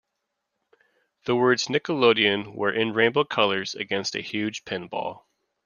The words "Nickelodeon" were in rainbow colors against a huge pinball.